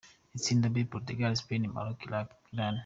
Itsinda B: Portugal, Spain, Morocco, Iran.